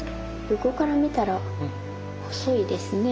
横から見たら細いですね。